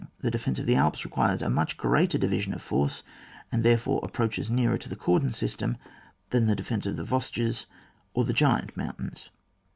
The defence of the Alps requires a much greater division of force, and therefore approaches nearer to the cordon system, than the defence of the Vosges or the Oiant mountains.